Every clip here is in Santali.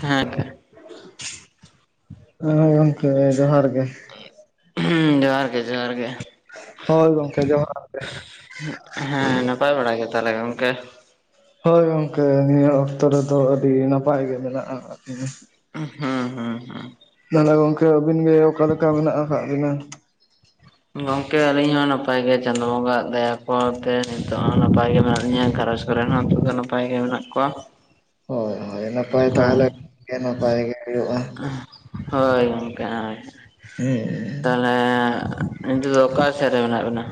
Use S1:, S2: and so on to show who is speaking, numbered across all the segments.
S1: ᱦᱮᱸ [inaudible]
S2: ᱦᱮᱸ ᱜᱚᱝᱠᱮ ᱡᱚᱦᱟᱨ ᱜᱮ
S1: [unintelligible] ᱡᱚᱦᱟᱨ ᱜᱮ ᱡᱚᱦᱟᱨ ᱜᱮ᱾
S2: ᱦᱳᱭ ᱜᱚᱝᱠᱮ ᱡᱚᱦᱟᱨ᱾ ᱜᱮ
S1: ᱦᱮᱸ ᱱᱟᱯᱟᱭ ᱵᱟᱲᱟ ᱜᱮ ᱛᱟᱦᱞᱮ ᱜᱚᱝᱠᱮ?
S2: ᱦᱳᱭ ᱜᱚᱝᱠᱮ ᱱᱤᱭᱟᱹ ᱚᱠᱛᱚ ᱨᱮᱫᱚ ᱟᱹᱰᱤ ᱱᱟᱯᱟᱭ ᱜᱮ ᱢᱮᱱᱟᱜᱼᱟ ᱠᱟ
S1: ᱦᱩᱸ ᱦᱩᱸ ᱦᱩᱸ᱾
S2: ᱛᱟᱦᱚᱞᱮ ᱜᱚᱝᱠᱮ ᱟᱹᱵᱤᱱ ᱜᱮ ᱚᱠᱟ ᱞᱮᱠᱟ ᱢᱮᱱᱟᱜ ᱟᱠᱟᱫ ᱵᱤᱱᱟ?
S1: ᱜᱚᱝᱠᱮ ᱟᱹᱞᱤᱧ ᱦᱚᱸ ᱱᱟᱯᱟᱭ ᱜᱮ ᱪᱟᱸᱫᱳ ᱵᱚᱸᱜᱟᱣᱟᱜ ᱫᱟᱭᱟ ᱠᱚᱛᱮ ᱦᱤᱛᱳᱜ ᱦᱚᱸ ᱱᱟᱯᱟᱭ ᱜᱮ ᱢᱮᱱᱟᱜ ᱞᱤᱧᱟᱹ ᱜᱷᱟᱨᱚᱸᱚᱡᱽ ᱠᱚᱨᱮᱱ ᱦᱚᱸ ᱦᱤᱛᱳᱜ ᱫᱚ ᱱᱟᱯᱟᱭ ᱜᱮ ᱢᱮᱱᱟᱜ ᱠᱚᱣᱟ᱾
S2: ᱦᱳᱭ ᱦᱳᱭ ᱱᱟᱯᱟᱭ
S1: ᱦᱮᱸ
S2: ᱛᱟᱦᱚᱞᱮ ᱜᱮ ᱱᱟᱯᱟᱭ ᱜᱮ ᱦᱩᱭᱩᱜᱼᱟ᱾
S1: ᱦᱳᱭ ᱜᱚᱝᱠᱮ ᱟᱪᱪᱷᱟ᱾
S2: ᱮᱸ᱾
S1: ᱛᱟᱦᱚᱞᱮ ᱱᱤᱛᱚᱜ ᱫᱚ ᱚᱠᱟ ᱥᱮᱫ ᱨᱮ ᱢᱮᱱᱟᱜ ᱵᱤᱱᱟ?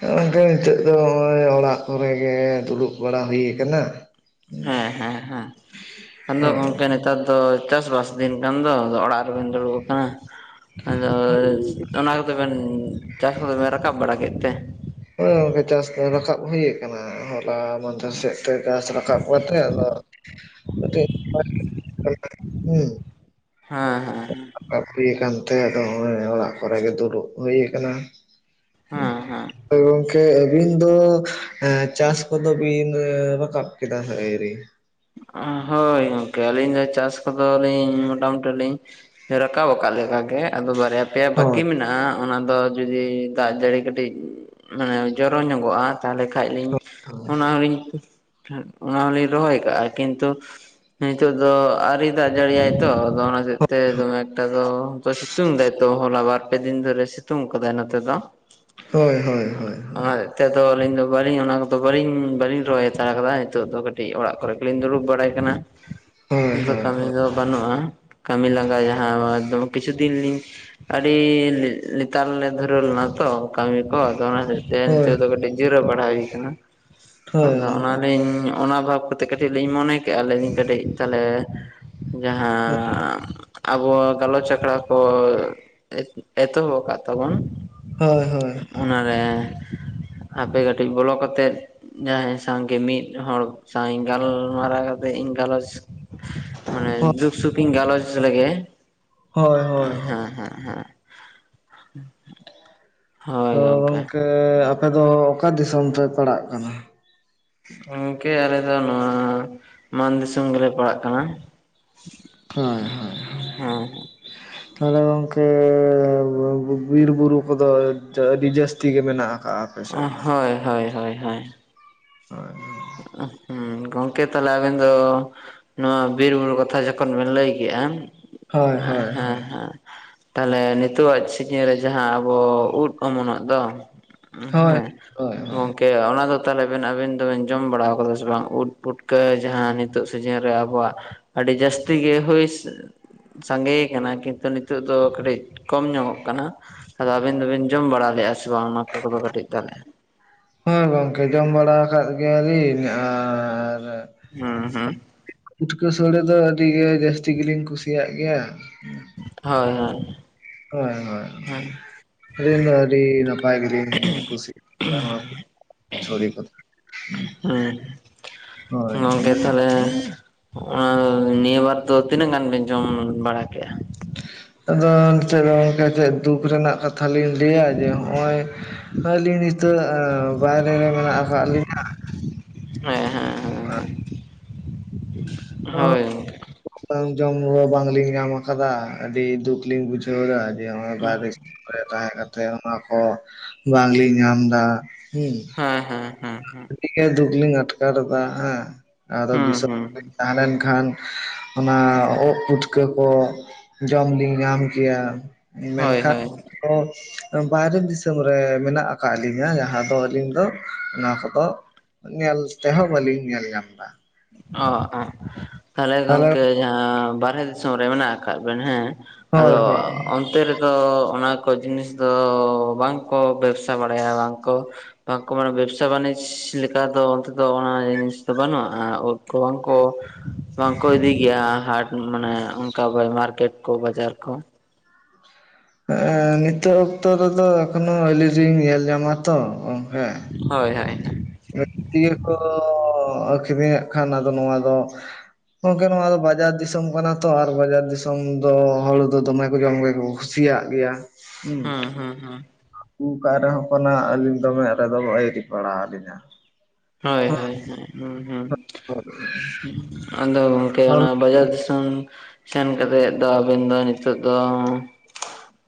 S2: ᱮᱸ ᱜᱚᱝᱠᱮ ᱦᱤᱛᱚᱜ ᱫᱚ ᱦᱚᱸᱜᱼᱚᱭ ᱚᱲᱟᱜ ᱠᱚᱨᱮ ᱜᱮ ᱫᱩᱲᱩᱵ ᱵᱟᱲᱟ ᱦᱩᱭ ᱠᱟᱱᱟ᱾
S1: ᱦᱮᱸ ᱦᱮᱸ ᱦᱮᱸ, ᱟᱫᱚ
S2: ᱦᱳᱭ
S1: ᱜᱚᱝᱠᱮ ᱱᱤ ᱛᱟᱨ ᱫᱚ ᱪᱟᱥᱵᱥ ᱫᱤᱱ ᱠᱟᱱ ᱫᱚ ᱟᱫᱚ ᱚᱲᱟᱜ ᱨᱮᱵᱮᱱ ᱫᱩᱲᱩᱵ ᱟᱠᱟᱱᱟ, ᱟᱫᱚ ᱚᱱᱟ ᱠᱚᱫᱚ ᱵᱮᱱ ᱪᱟᱥ ᱠᱚᱫᱚ ᱵᱮᱱ ᱨᱟᱠᱟᱵ ᱵᱟᱲᱟ ᱠᱮᱫ ᱛᱮ?
S2: ᱦᱳᱭ ᱜᱚᱝᱠᱮ ᱪᱟᱥ ᱨᱟᱠᱟᱵ ᱦᱩᱭ ᱟᱠᱟᱱᱟ ᱦᱚᱨ [unintelligible] ᱜᱷᱟᱥ ᱨᱟᱠᱟᱵ ᱠᱟᱛᱮ ᱟᱫᱚ [inaudible] ᱦᱩᱸ
S1: ᱦᱮᱸ ᱦᱮᱸ ᱦᱮᱸ᱾
S2: ᱵᱟᱲᱛᱤ ᱟᱠᱟᱱ ᱛᱮ ᱟᱫᱚ ᱦᱚᱸᱜᱼᱚᱭ ᱚᱲᱟᱜ ᱠᱚᱨᱮ ᱜᱮ ᱫᱩᱲᱩᱵ ᱦᱩᱭ ᱟᱠᱟᱱᱟ᱾
S1: ᱦᱮᱸ ᱦᱮᱸ
S2: ᱦᱳᱭ ᱜᱚᱝᱠᱮ ᱟᱵᱤᱱ ᱫᱚ ᱦᱮᱸ ᱪᱟᱥ ᱠᱚᱫᱚ ᱵᱤᱱ ᱨᱟᱠᱟᱵ ᱠᱮᱫᱟ ᱦᱟᱸᱜ ᱟᱭᱨᱤ?
S1: ᱟ ᱦᱳᱭ ᱜᱚᱝᱠᱮ ᱟᱹᱞᱤᱧ ᱫᱚ ᱪᱟᱥ ᱠᱚᱫᱚ ᱞᱤᱧ ᱢᱚᱴᱟᱢᱩᱴᱤ ᱞᱤᱧ ᱨᱟᱠᱟᱵ ᱟᱠᱟᱫ ᱞᱮᱠᱟ ᱜᱮ ᱟᱫᱚ ᱵᱟᱨᱭᱟ ᱟᱯᱮᱭᱟ ᱵᱟᱹᱠᱤ
S2: ᱦᱳᱭ
S1: ᱢᱮᱱᱟᱜᱼᱟ ᱚᱱᱟ ᱫᱚ ᱡᱩᱫᱤ ᱫᱟᱜ ᱡᱟᱹᱲᱤ ᱠᱟᱹᱴᱤᱡ ᱢᱟᱱᱮ ᱡᱚᱨᱚ ᱧᱚᱜᱚᱜᱼᱟ, ᱛᱟᱦᱞᱮ ᱠᱷᱟᱡ ᱞᱤᱧ ᱚᱱᱟ ᱦᱚᱸᱞᱤᱧ ᱚᱱᱟ ᱦᱚᱸᱞᱤᱧ ᱨᱚᱦᱚᱭ ᱠᱟᱜᱼᱟ ᱠᱤᱱᱛᱩ ᱦᱤᱛᱚᱜ ᱫᱚ ᱟᱹᱣᱨᱤ ᱫᱟᱜ ᱡᱟᱹᱲᱤᱭᱟᱭ ᱛᱚ ᱟᱫᱚ ᱚᱱᱟ ᱦᱚᱛᱮᱡ ᱛᱮ ᱫᱚᱢᱮ ᱮᱠᱴᱟ ᱫᱚ ᱥᱤ ᱛᱩᱝ ᱫᱟᱭᱛᱚ ᱦᱚᱞᱟ ᱵᱟᱨᱯᱮ ᱫᱤᱱ ᱫᱷᱚᱨᱮ ᱥᱤᱛᱩᱝ ᱠᱟᱫᱟᱭ ᱱᱚᱛᱮ ᱫᱚ᱾
S2: ᱦᱳᱭ ᱦᱳᱭ ᱦᱳᱭ
S1: ᱟᱨ ᱛᱮᱫᱚ ᱫᱚ ᱟᱹᱞᱤᱧ ᱫᱚ ᱵᱟᱞᱤᱧ ᱚᱱᱟ ᱠᱚᱫᱚ ᱵᱟᱹᱞᱤᱧ ᱵᱟᱹᱞᱤᱧ ᱨᱚᱦᱚᱭ ᱦᱟᱛᱟᱲ ᱠᱟᱫᱟ ᱦᱤᱛᱚᱜ ᱫᱚ ᱠᱟᱹᱴᱤᱡ ᱚᱲᱟᱜ ᱠᱚᱨᱮ ᱞᱤᱧ ᱫᱩᱲᱩᱵ ᱵᱟᱲᱟᱭ ᱠᱟᱱᱟ
S2: ᱦᱳᱭ
S1: ᱱᱤᱛᱫᱚ
S2: ᱦᱳᱭ
S1: ᱠᱟᱹᱢᱤ ᱠᱚ ᱵᱟᱹᱱᱩᱜᱼᱟ᱾ ᱠᱟᱹᱢᱤ ᱞᱟᱸᱜᱟ ᱡᱟᱦᱟᱸ ᱫᱚ ᱠᱤᱪᱷᱩ ᱫᱤᱱ ᱞᱤᱧ ᱟᱹᱰᱤ ᱞᱮ ᱞᱮᱛᱟᱲ ᱞᱮ ᱫᱷᱩᱨᱟᱹᱣ ᱞᱮᱱᱟ ᱛᱚ ᱠᱟᱹᱢᱤ ᱠᱚ ᱟᱫᱚ ᱚᱱᱟ ᱛᱮ ᱛᱮ
S2: ᱦᱳᱭ
S1: ᱱᱤᱛᱚᱜ ᱫᱚ ᱠᱟᱹᱴᱤᱡ ᱡᱤᱨᱟᱹᱣ ᱵᱟᱲᱟ ᱦᱩᱭ ᱠᱟᱱᱟ
S2: ᱦᱳᱭ ᱦᱳᱭ
S1: ᱟᱫᱚ
S2: ᱜᱚᱝᱠᱮ
S1: ᱚᱱᱟᱞᱤᱧ ᱚᱱᱟ ᱵᱷᱟᱵᱽ ᱛᱮ ᱠᱟᱹᱴᱤᱡ ᱞᱤᱧ ᱢᱚᱱᱮ ᱠᱮᱜᱼᱟ ᱞᱤᱧ ᱠᱟᱹᱴᱤᱡ ᱛᱟᱦᱚᱞᱮ ᱡᱟᱦᱟᱸ ᱟᱵᱚ ᱜᱟᱞᱚᱪ ᱟᱠᱷᱲᱟ ᱠᱚ ᱮᱛ ᱮᱛᱚᱦᱚᱵ ᱠᱟᱜ ᱛᱟᱵᱚᱱ
S2: ᱦᱳᱭ ᱦᱳᱭ
S1: ᱚᱱᱟᱨᱮ ᱦᱟᱯᱮ ᱠᱟᱹᱴᱤᱡ ᱵᱚᱞᱚ ᱠᱟᱛᱮᱫ ᱡᱟᱦᱟᱸᱭ ᱥᱟᱶᱜᱮ ᱢᱤᱫ ᱦᱚᱲ ᱥᱟᱶᱤᱧ ᱜᱟᱞᱢᱟᱨᱟᱣ ᱠᱟᱛᱮ ᱤᱧ ᱜᱟᱞᱚᱪ ᱢᱟᱱᱮ ᱫᱩᱠ ᱥᱩᱠ ᱤᱧ ᱜᱟᱞᱚᱪ [unintelligible] ᱦᱮᱸ
S2: ᱦᱳᱭ ᱦᱳᱭ ᱦᱳᱭ
S1: ᱦᱮᱸ ᱦᱮᱸ᱾
S2: ᱛᱚ ᱜᱚᱝᱠᱮ ᱟᱯᱮ ᱫᱚ ᱚᱠᱟ ᱫᱤᱥᱚᱢ ᱯᱮ ᱯᱟᱲᱟᱜ ᱠᱟᱱᱟ?
S1: ᱜᱚᱝᱠᱮ ᱟᱞᱮ ᱫᱚ ᱱᱚᱣᱟ ᱢᱟᱱ ᱫᱤᱥᱚᱢ ᱜᱮᱞᱮ ᱯᱟᱲᱟᱜ ᱠᱟᱱᱟ᱾
S2: ᱦᱳᱭ ᱦᱳᱭ ᱦᱳᱭ ᱦᱳᱭ᱾
S1: ᱦᱮᱸ
S2: ᱛᱟᱦᱚᱞᱮ ᱜᱚᱝᱠᱮ ᱵᱤᱨ ᱵᱩᱨᱩ ᱠᱚᱫᱚ ᱟᱹᱰᱤ ᱡᱟᱹᱥᱛᱤ ᱜᱮ ᱢᱮᱱᱟᱜ ᱟᱠᱟᱜ-ᱟ᱾
S1: ᱦᱳᱭ ᱦᱳᱭ ᱦᱳᱭ ᱦᱳᱭ᱾
S2: ᱦᱳᱭ ᱦᱳᱭ ᱾
S1: ᱦᱩᱸ ᱜᱚᱢᱠᱮ ᱛᱟᱦᱞᱮ ᱟᱵᱤᱱ ᱫᱚ ᱱᱚᱣᱟ ᱵᱤᱨᱵᱩᱨᱩ ᱠᱟᱛᱷᱟ ᱡᱚᱠᱷᱚᱱ ᱵᱮᱱ ᱞᱟᱹᱭ ᱠᱮᱜᱼᱟ, ᱦᱮᱸ
S2: ᱦᱳᱭ ᱦᱳᱭ
S1: ᱦᱮᱸ᱾
S2: ᱦᱳᱭ
S1: ᱛᱟᱦᱞᱮ ᱱᱤᱛᱼᱟᱜ ᱥᱤᱡᱤᱱ ᱨᱮ ᱡᱟᱦᱟᱸ ᱟᱵᱚ ᱩᱫ ᱚᱢᱩᱞᱚᱜ ᱫᱚ
S2: ᱦᱳᱭ
S1: ᱦᱮᱸ
S2: ᱦᱳᱭ ᱦᱳᱭ
S1: ᱜᱚᱝᱠᱮ ᱚᱱᱟ ᱫᱚ ᱛᱟᱦᱚᱞᱮ ᱵᱮᱱ ᱟᱵᱤᱱ ᱫᱚᱵᱤᱱ ᱡᱚᱢ ᱵᱟᱲᱟ ᱟᱠᱟᱫᱟ ᱥᱮ ᱵᱟᱝ ᱩᱫ ᱯᱩᱴᱠᱟᱹ ᱡᱟᱦᱟᱸ ᱱᱤᱛᱚᱜ ᱥᱤᱡᱤᱱ ᱨᱮ ᱟᱵᱚᱣᱟᱜ ᱟᱹᱰᱤ ᱡᱟᱹᱥᱛᱤ ᱜᱮ ᱦᱩᱭ ᱥᱟᱸᱜᱮ ᱟᱠᱟᱱᱟ ᱠᱤᱱᱛᱩ ᱱᱤᱛᱚᱜ ᱫᱚ ᱠᱟᱹᱴᱤᱡ ᱠᱚᱢ ᱧᱚᱜᱚᱜ ᱠᱟᱱᱟ᱾ ᱟᱫᱚ ᱟᱹᱵᱤᱱ ᱫᱚᱵᱤᱱ ᱡᱚᱢ ᱵᱟᱲᱟ ᱞᱮᱫᱼᱟ ᱥᱮ ᱵᱟᱝ ᱚᱱᱟ ᱠᱚᱫᱚ ᱠᱟᱹᱴᱤᱡ ᱛᱟᱦᱞᱮ?
S2: ᱦᱳᱭ ᱜᱚᱝᱠᱮ ᱡᱚᱢ ᱵᱟᱲᱟ ᱟᱠᱟᱫ ᱜᱮᱭᱟᱞᱤᱧ ᱟᱨᱻ
S1: ᱦᱩᱸ ᱦᱩᱸ
S2: ᱯᱩᱴᱠᱟᱹ ᱥᱳᱲᱮ ᱫᱚ ᱟᱹᱰᱤᱜᱮ ᱡᱟᱹᱥᱛᱤ ᱜᱮᱞᱤᱧ ᱠᱩᱥᱤᱭᱟᱜ ᱜᱮᱭᱟ᱾
S1: ᱦᱳᱭ ᱦᱳᱭ᱾
S2: ᱦᱳᱭ
S1: ᱦᱮᱸ
S2: ᱦᱳᱭ ᱟᱹᱞᱤᱧ ᱫᱚ ᱟᱹᱰᱤ ᱱᱟᱯᱟᱭ ᱜᱮᱞᱤᱧ ᱠᱩᱥᱤ [unintelligible] ᱦᱳᱭ
S1: ᱦᱩᱸ ᱜᱚᱝᱠᱮ ᱛᱟᱦᱞᱮ ᱱᱤᱭᱟᱹ ᱵᱟᱨ ᱫᱚ ᱛᱤᱱᱟᱹᱜ ᱜᱟᱱ ᱵᱮᱱ ᱡᱚᱢ ᱵᱟᱲᱟ ᱠᱮᱜᱼᱟ?
S2: ᱟᱫᱚ ᱱᱤᱛᱚᱜ ᱫᱚ ᱜᱚᱝᱠᱮ ᱪᱮᱫ ᱫᱩᱠ ᱨᱮᱱᱟᱜ ᱠᱟᱛᱷᱟ ᱠᱟᱛᱷᱟ ᱞᱤᱧ ᱞᱟᱹᱭᱟ ᱡᱮ ᱦᱚᱜᱼᱚᱭ ᱟᱹᱞᱤᱧ ᱱᱤᱛᱚᱹᱜ ᱵᱟᱭᱨᱮ ᱨᱮ ᱢᱮᱱᱟᱹᱜ ᱟᱠᱟᱫ ᱞᱤᱧ
S1: ᱦᱮᱸ ᱦᱮᱸ᱾
S2: ᱦᱮᱸ᱾
S1: ᱦᱳᱭ᱾
S2: ᱵᱟᱝ ᱡᱚᱢ ᱧᱩ ᱵᱟᱝᱹᱞᱤᱧ ᱧᱟᱢ ᱟᱠᱟᱫᱟ ᱟᱹᱰᱤ ᱫᱩᱠ ᱞᱤᱧ ᱵᱩᱡᱷᱟᱹᱣ ᱮᱫᱟ ᱡᱮ ᱱᱚᱜᱚᱭ ᱵᱟᱦᱨᱮ [unintelligible] ᱛᱟᱦᱮᱸ ᱠᱟᱛᱮᱹᱜ ᱚᱱᱟ ᱠᱚ ᱵᱟᱝᱞᱤᱧ ᱧᱟᱢ ᱮᱫᱟ ᱦᱩᱸ᱾
S1: ᱦᱮᱸ ᱦᱮᱸ᱾ ᱦᱮᱸ ᱦᱮᱸ
S2: ᱟᱹᱰᱤᱜᱮ ᱫᱩᱠ ᱞᱤᱧ ᱟᱴᱠᱟᱨ ᱮᱫᱟ ᱦᱮᱸ᱾ ᱟᱫᱚ
S1: ᱦᱩᱸ
S2: ᱫᱤᱥᱚᱢ
S1: ᱦᱩᱸ
S2: ᱨᱮᱞᱤᱧ ᱛᱟᱦᱮᱸ ᱞᱮᱱᱠᱷᱟᱱ ᱚᱱᱟ ᱩᱫ ᱯᱩᱴᱠᱟᱹ ᱠᱚ ᱡᱚᱢ ᱞᱤᱧ ᱧᱟᱢ ᱠᱮᱭᱟ᱾
S1: ᱦᱳᱭ
S2: ᱢᱮᱱᱠᱷᱟᱱ
S1: ᱦᱳᱭ
S2: ᱚᱸ ᱵᱟᱭᱨᱮ ᱫᱤᱥᱚᱢ ᱨᱮ ᱢᱮᱱᱟᱹᱜ ᱟᱠᱟᱫ ᱞᱤᱧᱟ ᱡᱟᱦᱟᱸ ᱫᱚ ᱟᱹᱞᱤᱧ ᱫᱚ ᱚᱱᱟ ᱠᱚᱫᱚᱸ ᱧᱮᱞ ᱛᱮᱦᱚᱸ ᱵᱟᱹᱞᱤᱧ ᱧᱮᱞ ᱧᱟᱢ ᱮᱫᱟ᱾
S1: ᱚ ᱮᱜ ᱛᱟᱦᱞᱮ
S2: ᱛᱟᱦᱚᱞᱮ
S1: ᱜᱚᱝᱠᱮ ᱡᱟᱦᱟᱸ ᱵᱟᱨᱦᱮ ᱫᱤᱥᱚᱢ ᱨᱮ ᱢᱮᱱᱟᱹᱜ ᱟᱠᱟᱫ ᱵᱮᱱ ᱦᱮᱸ ᱟᱫᱚ
S2: ᱦᱳᱭ ᱦᱳᱭ
S1: ᱚᱱᱛᱮ ᱨᱮ ᱫᱚ ᱚᱱᱟ ᱠᱚ ᱡᱤᱱᱤᱥ ᱫᱚ ᱵᱟᱝ ᱠᱚᱸ ᱵᱮᱵᱥᱟ ᱵᱟᱹᱲᱟᱭᱟ ᱵᱟᱝ ᱠᱚ ᱵᱟᱝ ᱠᱚ ᱢᱟᱱᱮ ᱵᱮᱵᱽᱥᱟ ᱵᱟᱱᱤᱡᱽ ᱞᱮᱠᱟ ᱫᱚ ᱚᱱᱛᱮ ᱫᱚ ᱚᱱᱟ ᱡᱤᱱᱤᱥ ᱫᱚ ᱵᱟᱹᱱᱩᱜᱼᱟ᱾ ᱠᱚᱣᱚᱱ ᱠᱚ ᱵᱟᱝ ᱠᱚ ᱤᱫᱤ ᱜᱮᱭᱟ ᱦᱟᱴ ᱢᱟᱱᱮ ᱚᱱᱠᱟ ᱢᱟᱨᱠᱮᱴ ᱠᱚ ᱵᱟᱡᱟᱨ ᱠᱚ?
S2: ᱦᱮᱸ ᱱᱤᱛᱚᱜ ᱚᱠᱛᱚ ᱨᱮᱫᱚ ᱮᱠᱷᱚᱱᱚ ᱟᱹᱣᱨᱤ ᱞᱤᱧ ᱧᱮᱞ ᱧᱟᱢᱟ ᱛᱚ ᱚᱝᱠᱟ᱾
S1: ᱦᱳᱭ ᱦᱳᱭ᱾
S2: ᱦᱟᱹᱴᱤᱭᱟ ᱨᱮᱠᱚ ᱟᱹᱠᱷᱨᱤᱧᱮᱫ ᱠᱷᱟᱱ ᱟᱫᱚ ᱱᱚᱣᱟ ᱫᱚ ᱜᱚᱝᱠᱮ ᱱᱚᱣᱟ ᱫᱚ ᱵᱟᱡᱟᱨ ᱫᱤᱥᱚᱢ ᱠᱟᱱᱟ ᱛᱚ ᱟᱨ ᱵᱟᱡᱟᱨ ᱫᱤᱥᱚᱢ ᱫᱚ ᱦᱟᱹᱲᱩ ᱫᱚ ᱫᱚᱢᱮ ᱠᱚ ᱡᱚᱢ ᱜᱮᱭᱟ ᱠᱚ ᱠᱩᱥᱤᱭᱟᱜ ᱜᱮᱭᱟ᱾
S1: ᱦᱩᱸ ᱦᱩᱸ ᱦᱩᱸ᱾
S2: ᱚᱝᱠᱟᱜ ᱨᱮᱦᱚᱸ ᱠᱟᱱᱟ ᱟᱹᱞᱤᱧ ᱫᱚ ᱢᱮᱸᱫ ᱨᱮᱫᱚ ᱟᱹᱭᱨᱤ ᱯᱟᱲᱟᱣ ᱟᱹᱞᱤᱧᱟ᱾
S1: ᱦᱳᱭ ᱦᱳᱭ ᱦᱩᱸ ᱦᱩᱸ ᱟᱸᱫᱚ ᱜᱚᱝᱠᱮ ᱵᱟᱡᱟᱨ ᱫᱤᱥᱚᱢ᱾ ᱥᱮᱱ ᱠᱟᱹᱛᱮᱫ ᱫᱚ ᱟᱸᱵᱮᱱ ᱫᱚ ᱱᱤᱛᱚᱹᱜ ᱫᱚ᱾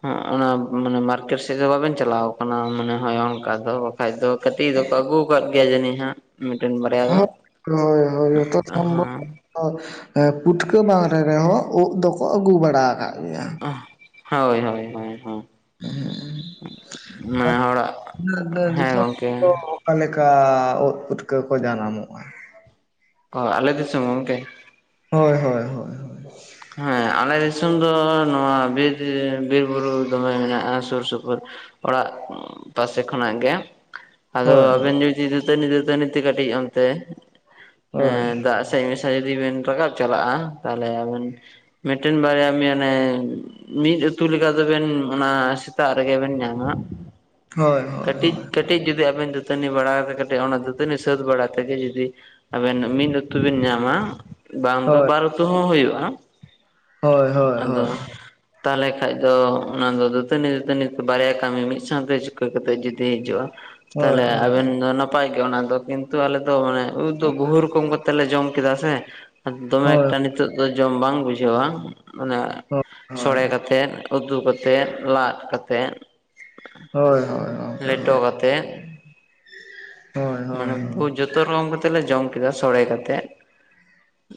S1: ᱦᱮ ᱚᱱᱟ ᱢᱟᱱᱮᱹ ᱢᱟᱨᱠᱮᱴ ᱥᱮᱫ ᱫᱚ ᱵᱟᱹᱵᱮᱱ ᱪᱟᱞᱟ-ᱣ ᱠᱟᱱᱟᱹ ᱢᱟᱱᱮᱹ ᱦᱚ ᱚᱱᱠᱟ ᱫᱚ᱾ ᱵᱟᱠᱷᱟᱱᱡ ᱫᱚ ᱠᱟᱹᱴᱤᱡ ᱫᱚᱠᱚ ᱟᱹᱜᱩ ᱟᱠᱟᱫ ᱜᱮᱹᱭᱟ ᱡᱟᱹᱱᱤᱡ ᱦᱟᱜ᱾ ᱢᱤᱫᱴᱮᱱ ᱵᱟᱹᱭᱟ᱾
S2: ᱦᱳᱭ ᱦᱳᱭ ᱡᱚᱛᱚ ᱥᱚᱢᱵᱷᱚᱵ ᱯᱩᱴᱠᱟᱹ ᱵᱟᱝᱨᱮ ᱨᱮᱦᱚᱸ ᱩᱵ ᱫᱚᱠᱚ ᱟᱹᱜᱩ ᱵᱟᱲᱟ ᱟᱠᱟᱫ ᱜᱮᱹᱭᱟ᱾
S1: ᱦᱳᱭ ᱦᱳᱭ ᱦᱳᱭ ᱱᱮ ᱦᱚᱲᱟ-ᱜ ᱦᱮᱸ ᱜᱚᱝᱠᱮ᱾
S2: ᱚᱠᱟ ᱞᱮᱠᱟ ᱩᱫ ᱯᱩᱴᱠᱟᱹ ᱠᱚ ᱡᱟᱱᱟᱢᱚᱜᱼᱟ᱾
S1: ᱚ ᱟᱞᱮ ᱫᱤᱥᱚᱢ ᱜᱚᱝᱠᱮ᱾
S2: ᱦᱳᱭ ᱦᱳᱭ ᱦᱳᱭ
S1: ᱦᱮᱸ ᱟᱞᱮ ᱫᱤᱥᱚᱢ ᱫᱚ ᱱᱚᱣᱟ ᱵᱤᱨ ᱵᱤᱨᱹᱵᱩᱨᱩ ᱫᱚᱢᱮ ᱢᱮᱱᱟᱜᱼᱟ ᱥᱩᱨ ᱥᱩᱯᱩᱨ᱾ ᱚᱲᱟ-ᱜ ᱯᱟᱥᱮ ᱠᱷᱚᱱᱟᱜ ᱜᱮ᱾ ᱟᱫᱚ
S2: ᱦᱳᱭ ᱦᱳᱭ
S1: ᱟᱸᱵᱮᱱ ᱡᱩᱫᱤ ᱫᱟᱹᱛᱟᱹᱱᱤ ᱫᱟᱹᱛᱟᱹᱱᱤ ᱛᱮ ᱠᱟᱹᱴᱤᱡ ᱚᱱᱛᱮ
S2: ᱦᱳᱭ
S1: ᱫᱟᱜ᱾ ᱥᱟᱭᱨᱤ ᱵᱮᱱ ᱨᱟᱠᱟᱵ ᱪᱟᱞᱟᱜᱼᱟ ᱛᱟᱦᱚᱸᱞᱮ ᱟᱸᱵᱮᱱ ᱢᱤᱫᱴᱮᱱ ᱵᱟᱨᱭᱟ ᱢᱟᱱᱮ᱾ ᱢᱤᱫ ᱩᱛᱩ ᱞᱮᱠᱟ ᱫᱚᱵᱮᱱ ᱚᱱᱟ ᱥᱮᱛᱟᱜ ᱨᱮᱜᱮ ᱵᱮᱱ ᱧᱟᱢᱟ᱾
S2: ᱦᱳᱭ ᱦᱳ
S1: ᱠᱟᱹᱴᱤᱡ ᱠᱟᱹᱴᱤᱡ ᱡᱩᱫᱤ ᱟᱸᱵᱮᱱ ᱠᱟᱹᱴᱤᱪ ᱠᱟᱹᱴᱤᱪ ᱠᱟᱹᱴᱤᱪ ᱡᱩᱫᱤ ᱟᱵᱮᱱ ᱫᱟᱹᱛᱟᱹᱱᱤ ᱵᱟᱲᱟ ᱠᱟ ᱠᱟᱛᱮ ᱠᱟᱹᱴᱤᱡ ᱚᱱᱟ ᱫᱟᱹᱛᱟᱹᱱᱤ ᱥᱟᱹᱛ ᱵᱟᱲᱟ ᱛᱮᱜᱮ ᱡᱩᱫᱤ᱾ ᱟᱸᱵᱮᱱ ᱢᱤᱫ ᱩᱛᱩᱵᱤᱱ ᱧᱟᱢᱟ ᱵᱟᱝ ᱫᱚ
S2: ᱦᱳᱭ
S1: ᱵᱟᱨ ᱩᱛᱩ ᱦᱚᱸ ᱦᱩᱭᱩᱜᱼᱟ᱾
S2: ᱦᱳᱭ ᱦᱳᱭ ᱦᱳᱭ ᱦᱳᱭ
S1: ᱟᱸᱫᱚ ᱛᱟᱦᱚᱸᱞᱮ ᱠᱷᱟᱱ ᱫᱚ ᱚᱱᱟ ᱫᱚ ᱫᱟᱹᱛᱟᱹᱱᱤ ᱫᱟᱹᱛᱟᱹᱱᱤ ᱵᱟᱨᱭᱟ ᱠᱟᱹᱢᱤ ᱢᱤᱫ ᱥᱟᱶᱛᱮ ᱪᱩᱠᱟᱹ ᱠᱟᱛᱮ ᱡᱩᱫᱤ ᱦᱤᱡᱩᱜᱼᱟ᱾
S2: ᱦᱳᱭ
S1: ᱛᱟᱦᱸᱞᱮ
S2: ᱦᱳᱭ
S1: ᱟᱸᱵᱮᱱ [inaudible] ᱱᱟᱯᱟᱹᱭ ᱜᱮ ᱚᱱᱟ ᱫᱚ ᱠᱤᱱᱛᱩ ᱟᱞᱮ ᱫᱚ ᱢᱟᱱᱮᱹ ᱩᱫ ᱫᱚ ᱵᱚᱦᱩ ᱨᱚᱠᱚᱢ ᱠᱟᱛᱮ ᱞᱮ ᱡᱚᱢ ᱠᱮᱫᱟ ᱥᱮ᱾ ᱫᱚᱢᱮ
S2: ᱦᱳᱭ
S1: ᱮᱠᱴᱟ ᱱᱤᱛᱚᱜ ᱫᱚ ᱡᱚᱢ ᱵᱟᱝ ᱵᱩᱡᱷᱟᱹᱣᱟ ᱢᱟᱱᱮ
S2: ᱦᱳᱭ ᱦᱳᱭ
S1: ᱥᱳᱸᱲᱮ ᱠᱟᱛᱮᱛ᱾ ᱩᱛᱩ ᱠᱟᱛᱮᱫ ᱞᱟᱫᱽ ᱠᱟᱛᱮᱛ᱾
S2: ᱦᱳᱭ ᱦᱳᱭ ᱜᱚᱝᱠᱮ ᱦᱳᱭ᱾
S1: [unintelligible]
S2: ᱦᱳᱭ ᱦᱳᱭ
S1: ᱢᱟᱱᱮ
S2: ᱦᱳᱭ
S1: ‌ᱵᱩᱡᱽ ᱡᱚᱛᱚ ᱨᱚᱠᱚᱢ ᱠᱟᱛᱮᱜ ᱞᱮ ᱡᱚᱢ ᱠᱮᱫᱟ ᱥᱳᱸᱲᱮ ᱠᱟᱛᱮ᱾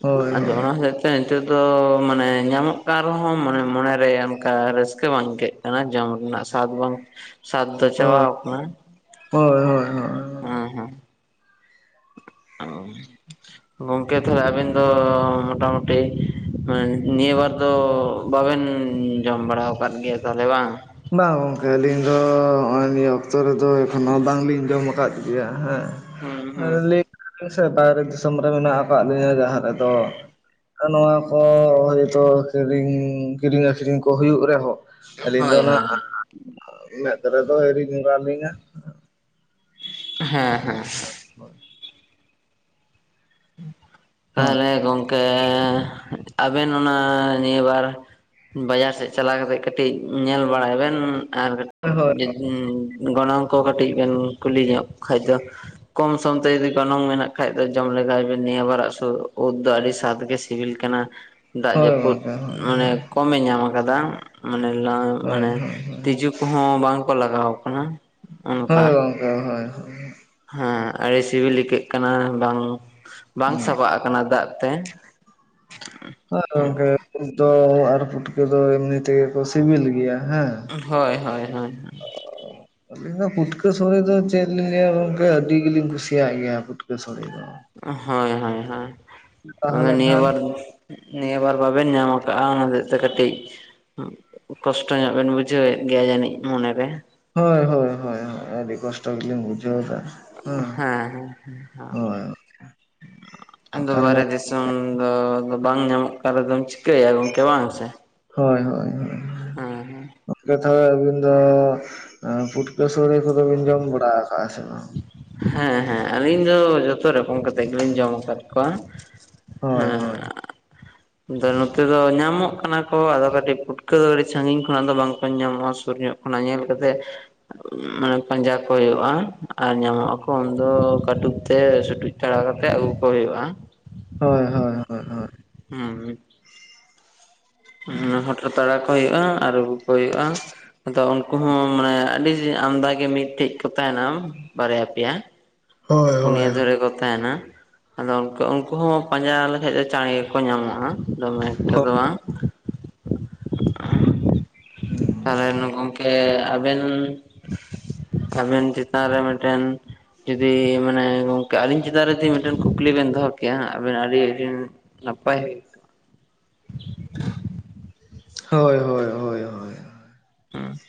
S2: ᱦᱳᱭ ᱦᱳᱭ
S1: ᱟᱫᱚ [unintelligible] ᱱᱤᱛᱚᱜ ᱫᱚ ᱢᱟᱱᱮ ᱧᱟᱢᱚᱜ ᱠᱟᱱ ᱨᱮᱦᱚᱸ ᱢᱟᱱᱮ ᱢᱚᱱᱮ ᱨᱮ ᱚᱱᱠᱟ ᱨᱟᱹᱥᱠᱟᱹ ᱵᱟᱝ ᱟᱹᱭᱠᱟᱹᱜ᱾ ᱟᱱᱟ ᱡᱚᱢ ᱨᱮᱱᱟᱜ ᱥᱟᱫ ᱵᱟᱝ ᱥᱟᱫᱽ ᱫᱚ ᱪᱟᱵᱟ ᱟᱠᱟᱱᱟ᱾
S2: ᱦᱳᱭ ᱦᱳᱭ ᱦᱳᱭ
S1: ᱦᱩᱸ ᱦᱩᱸ ᱚ ᱜᱚᱝᱠᱮ ᱛᱷᱟᱞᱮ ᱟᱵᱤᱱ ᱫᱚ ᱢᱳᱴᱟ ᱢᱩᱴᱤ᱾ ᱦᱮᱸ ᱱᱤᱭᱟᱹ ᱵᱟᱨ ᱫᱚ ᱵᱟ ᱵᱮᱱ ᱡᱚᱢ ᱵᱟᱲᱟ ᱟᱠᱟᱫ ᱜᱮᱭᱟ ᱛᱟᱦᱞᱮ ᱵᱟᱝ᱾
S2: ᱵᱟᱝ ᱜᱚᱝᱠᱮ ᱟᱹᱞᱤᱧ ᱫᱚ ᱱᱚᱜᱼᱚᱭ ᱱᱤᱭᱟᱹ ᱚᱠᱛᱚ ᱨᱮᱫᱚ ᱮᱠᱷᱚ ᱱᱚ ᱵᱟᱝ ᱞᱤᱧ ᱡᱚᱢ ᱟᱠᱟᱫ ᱜᱮᱭᱟ ᱦᱮᱸ᱾
S1: ᱦᱩᱸ ᱦᱩᱸ
S2: ᱟᱞᱤᱧ ᱥᱮ ᱵᱟᱭᱨᱮ ᱫᱤᱥᱚᱢ ᱨᱮ ᱢᱮᱱᱟᱜ ᱟᱠᱟᱫ ᱞᱤᱧᱟᱹ ᱡᱟᱦᱟ ᱨᱮᱫᱚ᱾ ᱱᱚᱣᱟ ᱠᱚ ᱦᱚᱭ ᱛᱚ ᱠᱤᱨᱤᱧ ᱠᱤᱨᱤᱧ ᱟᱹᱠᱷᱨᱤᱧ ᱠᱚ ᱦᱩᱭᱩᱜ ᱨᱮᱦᱚᱸ ᱟᱹᱞᱤᱧ᱾ ᱫᱚ
S1: ᱦᱳᱭ
S2: ᱚᱱᱟ
S1: ᱦᱳᱭ
S2: ᱢᱮᱫ ᱨᱮ ᱫᱚ ᱟᱣᱨᱤ ᱭᱩᱨ ᱟᱞᱤᱧᱟ᱾
S1: ᱦᱮᱸ ᱦᱮᱸᱦᱮᱸ
S2: [unintelligible] ᱦᱳᱭ
S1: ᱛᱟᱦᱞᱮ ᱜᱚᱝᱠᱮ ᱟᱵᱮᱱ ᱚᱱᱟ ᱱᱤᱭᱟᱹᱵᱟᱨ᱾ ᱵᱟᱡᱟᱨ ᱥᱮᱫ ᱪᱟᱞᱟᱣ ᱠᱟᱛᱮᱫ ᱠᱟᱹᱴᱤᱡ ᱧᱮᱞ ᱵᱟᱲᱟᱭ ᱵᱮᱱ ᱟᱨ᱾
S2: [unintelligible]
S1: ᱦᱩᱸ ᱜᱚᱱᱚᱝ ᱠᱚ ᱠᱟᱹᱴᱤᱡ ᱵᱮᱱ ᱠᱩᱞᱤ ᱧᱚᱜ᱾ ᱠᱷᱟᱡ ᱫᱚ ᱠᱚᱢ ᱥᱚᱢ ᱛᱮ ᱡᱩᱫᱤ ᱜᱚᱱᱚᱝ ᱢᱮᱱᱟᱜ ᱠᱷᱟᱡ ᱫᱚ ᱡᱚᱢ ᱞᱮᱜᱟᱭ ᱵᱤᱱ ᱱᱤᱭᱟᱹ ᱵᱟᱨ ᱟᱜ ᱳᱫᱽ ᱫᱚ ᱟᱹᱰᱤ ᱥᱟᱜᱽ ᱜᱮ ᱥᱤᱵᱤᱞ ᱠᱟᱱᱟ, ᱫᱟᱜ
S2: ᱦᱳᱭ
S1: ᱡᱟᱹᱯᱩᱫ
S2: ᱜᱚᱝᱠᱮ ᱦᱳᱭ
S1: ᱢᱟᱱᱮ ᱠᱚᱢ ᱮ ᱧᱟᱢ ᱠᱟᱫᱟ ᱢᱟᱱᱮ ᱞᱟᱝ
S2: ᱦᱳᱭ ᱦᱳᱭ
S1: ᱢᱟᱱᱮ
S2: ᱦᱳᱭ ᱦᱳᱭ
S1: ᱛᱤᱸᱡᱩ ᱠᱚ ᱦᱚᱸ ᱵᱟᱝ ᱠᱚ ᱞᱟᱜᱟᱣ ᱠᱟᱱᱟ᱾ ᱚᱱᱠᱟ
S2: ᱦᱳᱭ ᱜᱚᱝᱠᱮ ᱦᱳᱭ ᱦᱳᱭ᱾
S1: ᱦᱮᱸ ᱟᱹᱰᱤ ᱥᱤᱵᱤᱞ ᱟᱹᱭᱠᱟᱹᱜ ᱠᱟᱱᱟ ᱵᱟᱝ ᱵᱟᱝ
S2: ᱦᱩᱸ
S1: ᱥᱟᱵᱟᱜ ᱠᱟᱱᱟ ᱫᱟᱜ ᱛᱮ᱾
S2: [unintelligible]
S1: ᱦᱮᱸ
S2: ᱜᱚᱝᱠᱮ ᱳᱫᱽ ᱫᱚ ᱟᱨ ᱯᱩᱴᱠᱟᱹ ᱫᱚ ᱮᱢᱱᱤ ᱛᱮᱜᱮ ᱠᱚ ᱥᱤᱵᱤᱞ ᱜᱮᱭᱟ ᱦᱮᱸ,
S1: ᱦᱳᱭ ᱦᱳᱭ ᱦᱳᱭ᱾
S2: [inaudible] ᱟᱹᱞᱤᱧ ᱫᱚ ᱯᱷᱩᱴᱠᱟᱹ ᱥᱳᱸᱲᱮ ᱫᱚ ᱪᱮᱫ ᱞᱤᱧ ᱞᱟᱹᱭᱼᱟ ᱜᱚᱝᱠᱮ ᱟᱹᱰᱤ ᱜᱮ ᱞᱤᱧ ᱠᱩᱥᱤᱭᱟᱜ ᱜᱮᱭᱟ ᱯᱷᱩᱴᱠᱟᱹ ᱥᱳᱸᱲᱮ ᱫᱚ᱾
S1: ᱦᱳᱭ ᱦᱳᱭ ᱦᱳᱭ ᱚᱱᱮ
S2: ᱛᱟᱦᱚᱞᱮ
S1: ᱱᱤᱭᱟᱹ
S2: ᱠᱷᱟᱱ
S1: ᱵᱟᱨ ᱱᱤᱭᱟᱹ ᱵᱟᱨ ᱵᱟᱵᱮᱱ ᱧᱟᱢ ᱠᱟᱜᱼᱟ ‌ᱚᱱᱟ ᱦᱚᱛᱮᱡ ᱛᱮ ‌ ᱠᱟᱹᱴᱤᱡ ᱠᱚᱥᱴᱚ ᱧᱚᱜ ᱵᱮᱱ ᱵᱩᱡᱷᱟᱹᱣ ᱮᱜ ᱜᱮᱭᱟ ᱡᱟᱹᱱᱤᱡ ᱢᱚᱱᱮ ᱨᱮ?
S2: ᱦᱳᱭ ᱦᱳᱭ ᱦᱳᱭ ᱦᱳᱭ ᱟᱹᱰᱤ ᱠᱚᱥᱴᱚ ᱜᱮ ᱞᱤᱧ ᱵᱩᱡᱷᱟᱹᱣ ᱫᱟ᱾
S1: ᱦᱮᱸ ᱦᱮᱸ ᱦᱮᱸ᱾
S2: ᱦᱳᱭ
S1: ᱟᱫᱚ
S2: ᱵᱟᱠᱷᱟᱱ ᱫᱚ
S1: ᱵᱟᱦᱨᱮ ᱫᱤᱥᱚᱢ ᱫᱚ ᱟᱫᱚ ᱵᱟᱝ ᱧᱟᱢᱚᱜ ᱠᱟᱱᱟ ᱨᱮᱫᱚᱢ ᱪᱤ ᱠᱟᱹᱭᱟ ᱜᱚᱝᱠᱮ ᱵᱟᱝ ᱥᱮ
S2: ᱦᱳᱭ ᱦᱳᱭ ᱦᱳᱭ
S1: ᱦᱮᱸ ᱦᱮᱸ᱾
S2: ᱜᱚᱝᱠᱮ ᱛᱟᱦᱞᱮ ᱟᱹᱵᱤᱱ ᱫᱚ ᱯᱷᱩᱴᱠᱟᱹ ᱮᱸ ᱥᱳᱸᱲᱮ ᱠᱚᱫᱚ ᱵᱤᱱ ᱡᱚᱢ ᱵᱟᱲᱟ ᱠᱟᱜᱼᱟ ᱥᱮ ᱵᱟᱝ?
S1: ᱦᱮᱸ ᱦᱮᱸ ᱟᱹᱞᱤᱧ ᱫᱚ ᱡᱷᱚᱛᱚ ᱨᱚᱠᱚᱢ ᱠᱟᱛᱮᱫ ᱜᱮᱞᱤᱧ ᱡᱚᱢ ᱠᱟᱫ ᱠᱚᱣᱟ᱾
S2: ᱦᱳᱭ ᱦᱳᱭ᱾
S1: ᱦᱮᱸ ᱟᱫᱚ ᱱᱚᱛᱮ ᱫᱚ ᱧᱟᱢᱚᱜ ᱠᱟᱱᱟ ᱠᱚ ᱟᱫᱚ ᱠᱟᱹᱴᱤᱡ ᱯᱩᱴᱠᱟᱹ ᱫᱚ ᱠᱟᱹᱴᱤᱡ ᱥᱟᱸᱜᱤᱧ ᱠᱷᱚᱱ ᱟᱜ ᱫᱚ ᱵᱟᱝ ᱠᱚ ᱧᱟᱢᱚᱜᱼᱟ ᱥᱩᱨ ᱧᱚᱜ ᱠᱷᱚᱱᱟᱜ ᱧᱮᱞ ᱠᱟᱛᱮᱜ ᱢᱟᱱᱮ ᱯᱟᱸᱡᱟ ᱠᱚ ᱦᱳᱭᱳᱜᱼᱟ ᱟᱨ ᱧᱟᱢᱚᱜ ᱟᱠᱚ ᱩᱱᱫᱚ ᱠᱟᱹᱴᱩᱵ ᱛᱮ ᱥᱩᱴᱩᱡ ᱛᱟᱲᱟᱣ ᱠᱟᱛᱮ ᱟᱹᱜᱩ ᱠᱚ ᱦᱳᱭᱳᱜᱼᱟ᱾
S2: ᱦᱳᱭ ᱦᱳᱭ ᱦᱳᱭ ᱦᱳᱭ᱾
S1: ᱦᱩᱸ ᱦᱩᱸ᱾ ᱦᱩᱸ ᱦᱚᱴᱚᱨ ᱛᱟᱲᱟᱣ ᱠᱚ ᱦᱳᱭᱳᱜᱼᱟ ᱟᱨ ᱟᱹᱜᱩ ᱠᱚ ᱦᱳᱭᱳᱜᱼᱟ ᱟᱫᱚ ᱩᱱᱠᱩ ᱦᱚᱸ ᱢᱟᱱᱮ ᱟᱹᱰᱤ ᱟᱢᱫᱟ ᱜᱮ ᱢᱤᱫᱴᱤᱡ ᱠᱚ ᱛᱟᱦᱮᱸᱱᱟ ᱵᱟᱨᱭᱟ ᱯᱮᱭᱟ
S2: ᱦᱳᱭ᱾ ᱦᱳᱭ ᱦᱳᱭ
S1: ᱱᱤᱭᱟᱹ ᱫᱷᱚᱨᱮ ᱠᱚ ᱛᱟᱦᱮᱸᱱᱟ, ᱟᱫᱚ ᱩᱝᱠᱩ ᱩᱝᱠᱩ ᱦᱚᱸ ᱯᱟᱸᱡᱟ ᱞᱮᱠᱷᱟᱡ ᱫᱚ ᱪᱟᱬᱮ ᱜᱮᱠᱚ ᱧᱟᱢᱚᱜᱼᱟ᱾ ᱫᱚᱢᱮ ᱮᱠᱴᱟ
S2: ᱦᱳᱭ
S1: ᱫᱚ ᱵᱟᱝ᱾ ᱛᱟᱞᱦᱮ ᱱᱩ ᱜᱚᱢ ᱠᱮ ᱟᱵᱮᱱ, ᱟᱵᱮᱱ ᱪᱮᱛᱟᱱ ᱨᱮ ᱢᱤᱫᱴᱮᱱ ᱡᱩᱫᱤ ᱢᱟᱱᱮ ᱜᱚ ᱠᱮ ᱟᱹᱞᱤᱧ ᱪᱮᱛᱟᱱ ᱨᱮ ᱡᱤ ᱢᱤᱫᱴᱮᱱ ᱠᱩᱠᱞᱤ ᱵᱮᱱ ᱫᱚᱦᱚ ᱠᱮᱭᱟ ᱟᱵᱮᱱ ᱟᱹᱰᱤ ᱟᱹᱰᱤ ᱱᱟᱯᱟᱭ ᱦᱩᱭ ᱠᱚᱜᱼᱟ᱾
S2: ᱦᱳᱭ ᱦᱳᱭ᱾ ᱦᱳᱭ ᱦᱳᱭ ᱦᱳᱭ
S1: ᱦᱩᱸ᱾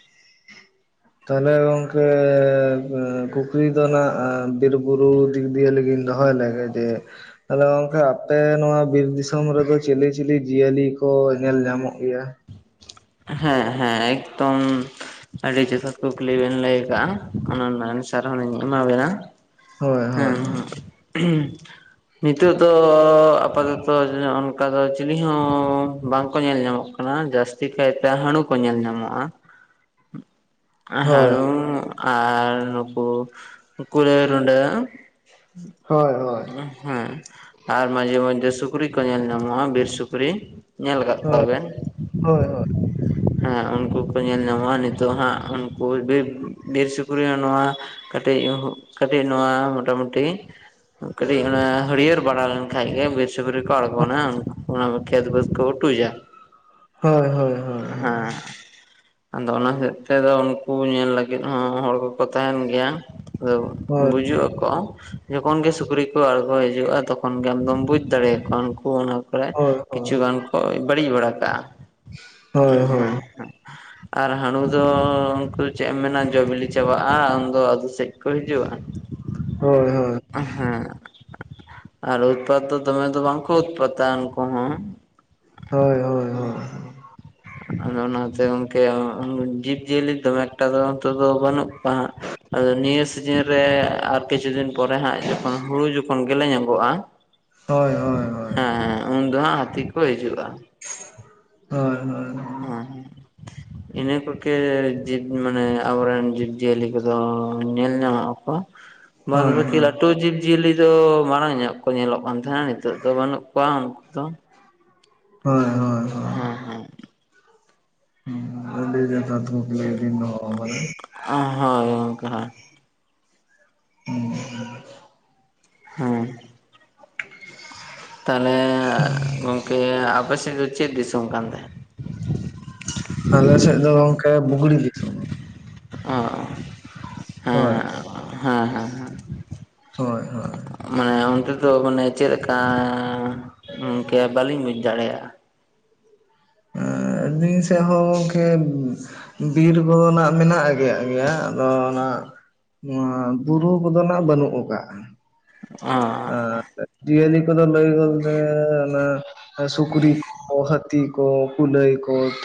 S2: ᱛᱟᱦᱞᱮ ᱜᱚᱝᱠᱮ ᱠᱩᱠᱞᱤ ᱫᱚ ᱱᱟᱸᱜ ᱵᱤᱨ ᱵᱩᱨᱩ ᱫᱤᱠᱜᱽ ᱫᱤᱭᱮ ᱞᱮᱜᱤᱧ ᱫᱚᱦᱚᱭ ᱞᱮᱜᱮ ᱡᱮ ᱟᱫᱚ ᱜᱚᱝᱠᱮ ᱟᱯᱮ ᱱᱚᱣᱟ ᱵᱤᱨ ᱫᱤ ᱥᱚᱢ ᱨᱮᱫᱚ ᱪᱤᱞᱤ ᱪᱤᱞᱤ ᱡᱤᱭᱟᱹᱞᱤ ᱠᱚ ᱧᱮᱞ ᱧᱟᱢᱚᱜ ᱜᱮᱭᱟ?
S1: ᱦᱮᱸ ᱦᱮᱸ, ᱮᱠᱫᱚᱢ ᱟᱹᱰᱤ ᱡᱚᱛᱷᱟᱛ ᱠᱩᱠᱞᱤ ᱵᱮᱱ ᱞᱟᱹᱭ ᱠᱟᱜᱼᱟ᱾ ᱚᱱᱟ ᱨᱮᱱᱟᱜ ᱮᱱᱥᱟᱨ ᱦᱚᱸᱞᱤᱧ ᱮᱢᱟ ᱵᱤᱱᱟ᱾
S2: ᱦᱳᱭ
S1: ᱦᱮᱸ᱾
S2: ᱦᱳᱭ
S1: [unintelligible] ᱱᱤᱛᱚᱜ ᱫᱚ ᱟᱯᱟᱛᱚᱛᱚ ᱡᱚ ᱚᱱᱠᱟ ᱫᱚ ᱪᱤᱞᱤ ᱦᱚᱸ ᱵᱟᱝᱠᱚ ᱧᱮᱞ ᱧᱟᱢᱚᱜ ᱚᱱᱟ ᱡᱟᱹᱥᱛᱤ ᱠᱟᱭᱛᱮ ᱦᱟᱺᱲᱩ ᱠᱚ ᱧᱮᱞ ᱧᱟᱢᱚᱜᱼᱟ᱾
S2: ᱦᱳᱭ
S1: ᱦᱟᱺᱲᱩ ᱟᱨ ᱱᱩᱠᱩ ᱠᱩᱞᱟᱹᱭ ᱨᱩᱰᱟᱹ᱾
S2: ᱦᱳᱭ ᱦᱳᱭ᱾
S1: ᱦᱮᱸ, ᱟᱨ ᱢᱟᱡᱷᱮ ᱢᱚᱫᱡᱷᱫᱮ ᱥᱩᱠᱨᱤ ᱠᱚ ᱧᱮᱞ ᱧᱟᱢᱚᱜᱼᱟ ᱵᱤᱨ ᱥᱩᱠᱨᱤ᱾ ᱧᱮᱞ ᱠᱟᱜ
S2: ᱦᱳᱭ
S1: ᱠᱚᱣᱟᱵᱮᱱ?
S2: ᱦᱳᱭ ᱦᱳᱭ᱾
S1: ᱦᱮᱸ ᱩᱱᱠᱩ ᱠᱩ ᱧᱮᱞ ᱧᱟᱢᱚᱜᱼᱟ ᱱᱤᱛᱚᱜ ᱦᱟᱸᱜ ᱩᱱᱠᱩ ᱵᱤᱨ, ᱵᱤᱨ ᱥᱩᱠᱨᱤ ᱦᱚᱸ ᱱᱚᱣᱟ ᱠᱟᱹᱴᱤᱡ ᱩᱦᱩ, ᱠᱟᱹᱴᱤᱡ ᱱᱚᱣᱟ ᱢᱳᱴᱟᱢᱩᱴᱤ ᱠᱟᱹᱴᱤᱡ ᱚᱱᱟ ᱦᱟᱹᱲᱭᱟᱹᱨ ᱵᱟᱜᱟᱱ ᱠᱷᱟᱡ ᱜᱮ ᱵᱤᱨ ᱥᱩᱠᱨᱤ ᱠᱚ ᱟᱬᱜᱩᱱᱟ ᱦᱟᱜ ᱚᱱᱟᱼᱼ ᱠᱷᱮᱛ ᱵᱟᱹᱫᱽ ᱠᱚ ᱩᱴᱩᱡᱟ᱾
S2: ᱦᱳᱭ ᱦᱳᱭ ᱦᱳᱭ᱾
S1: ᱦᱮᱸ᱾ ᱟᱫᱚ ᱚᱱᱟ ᱦᱚᱛᱮᱡ ᱛᱮᱫᱚ ᱩᱱᱠᱩ ᱧᱮᱞ ᱞᱟᱹᱜᱤᱫ ᱦᱚᱸ ᱦᱚᱲ ᱠᱚᱠᱚ ᱛᱟᱦᱮᱱ ᱜᱮᱭᱟ᱾ ᱟᱫᱚ
S2: ᱦᱳᱭ
S1: ᱵᱩᱡᱩᱜ ᱟᱠᱚ᱾ ᱡᱚᱠᱷᱚᱱ ᱜᱮ ᱥᱩᱠᱨᱤ ᱠᱚ ᱟᱬᱜᱚ ᱦᱤᱡᱩᱜᱼᱟ ᱛᱚᱠᱷᱚᱱ ᱜᱮ ᱟᱢᱫᱚᱢ ᱵᱩᱡᱽ ᱫᱟᱲᱮᱭᱟᱜᱟ ᱩᱱᱠᱩ ᱚᱱᱟ ᱠᱚᱨᱮ
S2: ᱦᱳᱭ ᱦᱳᱭ ᱦᱳᱭ
S1: ᱠᱤᱪᱷᱩᱜᱟᱱ ᱠᱚ ᱵᱟᱹᱲᱤᱡ ᱵᱟᱲᱟ ᱠᱟᱜᱼᱟ᱾
S2: ᱦᱳᱭ
S1: ᱦᱮᱸ
S2: ᱦᱳᱭ
S1: ᱦᱮᱸ᱾
S2: ᱦᱳᱭ [unintelligible]
S1: ᱟᱨ ᱦᱟᱹᱲᱩ ᱫᱚ ᱩᱱᱠᱩ ᱪᱮᱜ ᱮᱢ ᱢᱮᱱᱟ ᱡᱚ ᱵᱤᱞᱤ ᱪᱟᱵᱟᱜᱼᱟ ᱩᱱᱫᱚ ᱟᱹᱛᱩ ᱥᱮᱡ ᱠᱚ ᱦᱤᱡᱩᱜᱼᱟ᱾
S2: ᱦᱳᱭ᱾ ᱦᱳᱭ ᱦᱳᱭ ᱦᱳᱭ
S1: ᱦᱩᱸ᱾ ᱟᱨ ᱩᱛᱯᱟᱛ ᱫᱚ ᱫᱚᱢᱮ ᱫᱚ ᱵᱟᱝᱠᱚ ᱩᱛᱯᱟᱛᱟ ᱩᱱᱠᱩ ᱦᱚᱸ᱾
S2: ᱦᱳᱭ ᱦᱳᱭ ᱦᱳᱭ᱾
S1: ᱟᱫᱚ ᱚᱱᱟᱛᱮ ᱚᱝᱠᱮ [inaudible] ᱡᱤᱵᱽᱼᱡᱤᱭᱟᱹᱞᱤ ᱫᱚᱢᱮ ᱮᱠᱴᱟ ᱫᱚ ᱱᱤᱛᱚᱜ ᱫᱚ ᱵᱟᱹᱱᱩᱜ ᱠᱚᱣᱟ ᱦᱟᱸᱜ᱾ ᱟᱫᱚ ᱱᱤᱭᱟᱹ ᱥᱤᱡᱮᱱ ᱨᱮ ᱟᱨ ᱠᱤᱪᱷᱩ ᱫᱤᱱ ᱯᱚᱨᱮ ᱦᱟᱸᱜ ᱡᱚᱠᱷᱚᱱ ᱦᱩᱲᱩ ᱡᱚᱠᱷᱚᱱ ᱜᱮᱞᱮ ᱧᱚᱜᱚᱜᱼᱟ
S2: ᱦᱳᱭ ᱦᱳᱭ᱾
S1: ᱦᱮᱸ ᱦᱮᱸ ᱩᱱ ᱫᱚ ᱦᱟᱸᱜ ᱦᱟᱹᱛᱤ ᱠᱚ ᱦᱤᱡᱩᱜᱼᱟ᱾
S2: ᱦᱳᱭ ᱦᱳᱭ᱾
S1: ᱦᱩᱸ᱾ ᱤᱱᱟᱹ ᱠᱚᱜᱮ ᱡᱤᱵᱽ ᱢᱟᱱᱮ ᱟᱵᱚᱨᱮᱱ ᱡᱤᱵᱽ ᱡᱤᱭᱟᱹᱞᱤ ᱠᱚᱫᱚ ᱧᱮᱞ ᱧᱟᱢᱚᱜ ᱟᱠᱚ᱾
S2: [unintelligible]
S1: [inaudible] ᱞᱟᱹᱴᱩ ᱡᱤᱵᱽ ᱡᱤᱭᱟᱹᱞᱤ ᱫᱚ ᱢᱟᱲᱟᱝ ᱧᱚᱜ ᱠᱚ ᱧᱮᱞᱚᱜ ᱠᱟᱱ ᱛᱟᱦᱮᱸᱜᱟ ᱱᱤᱛᱚᱜ ᱫᱚ ᱵᱟᱹᱱᱩᱜ ᱠᱚᱣᱟ ᱩᱱᱠᱩ ᱫᱚ᱾
S2: ᱦᱳᱭ ᱦᱚᱭ ᱦᱳᱭ᱾
S1: ᱦᱮᱸ ᱦᱮᱸ᱾
S2: ᱡᱚᱛᱚ ᱫᱷᱩᱯ ᱞᱤᱵᱤᱱ [unintelligible]
S1: ᱚ ᱦᱳᱭ ᱚᱱᱠᱟ ᱦᱩᱸ ᱛᱟᱦᱚᱞᱮ ᱜᱚᱝᱠᱮ ᱟᱯᱮᱥᱮᱜ ᱫᱚ ᱪᱮᱜ ᱫᱤᱥᱚᱢ ᱠᱟᱱ ᱛᱮ?
S2: ᱟᱞᱮᱥᱮᱜ ᱫᱚ ᱚᱝᱠᱟ ᱵᱩᱜᱽᱲᱤ ᱫᱤᱥᱚᱢ᱾
S1: ᱚ
S2: ᱦᱳᱭ
S1: ᱦᱮᱸ ᱦᱮᱸ ᱦᱮᱸ᱾
S2: ᱦᱳᱭ ᱦᱳᱭ᱾
S1: ᱢᱟᱱᱮ ᱚᱱᱛᱮ ᱫᱚ ᱢᱟᱱᱮ ᱪᱮᱜᱞᱮᱠᱟᱻ ᱜᱚᱝᱠᱮ ᱵᱟᱹᱞᱤᱧ ᱵᱩᱡᱽ ᱫᱟᱲᱮᱭᱟᱜᱼᱟ᱾
S2: ᱟᱻ ᱟᱞᱤᱧ ᱥᱮᱜ ᱦᱚᱸ ᱜᱚᱝᱠᱮ ᱵᱤᱨ ᱠᱚᱫᱚ ᱱᱟᱜ ᱢᱮᱱᱟᱜ ᱜᱮᱭᱟᱜ ᱜᱮᱭᱟ ᱟᱫᱚ ᱚᱱᱟ ᱱᱚᱣᱟ ᱵᱩᱨᱩ ᱠᱚᱫᱚ ᱱᱷᱟᱜ ᱵᱟᱹᱱᱩᱜ ᱟᱠᱟᱜᱟ᱾
S1: ᱚ
S2: ᱟᱨ ᱡᱤᱭᱟᱹᱞᱤ [unintelligible] ᱠᱚᱫᱚ ᱞᱟᱹᱭ ᱵᱚᱞᱛᱮ ᱚᱱᱟᱼᱼ ᱥᱩᱠᱨᱤ ᱠᱚ, ᱦᱟᱹᱛᱤ ᱠᱚ, ᱠᱩᱞᱟᱹᱭ ᱠᱚ᱾